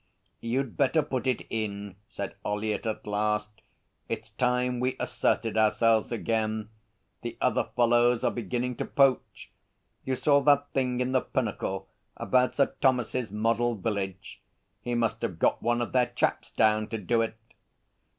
'You's better put it in,' said Ollyett at last. 'It's time we asserted ourselves again. The other fellows are beginning to poach. You saw that thing in the Pinnacle about Sir Thomas's Model Village? He must have got one of their chaps down to do it.'